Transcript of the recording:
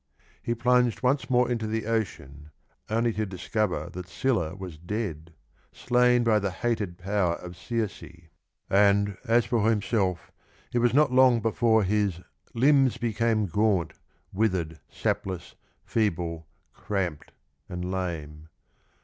He plunged once more into the ocean, only to discover that Scylla was dead, slain by the hated power of Circe, and as for himself it was not long before his hmbs became Gaunt, u ither'd, sapless, feeble, cramp'd and lame.